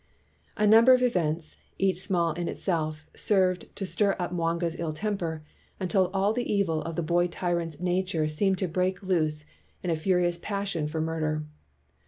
A number of events, each small in itself, served to stir up Mwanga 's illtemper until all the evil of the boy tyrant 's nature seemed to break loose in a furious passion for mur der.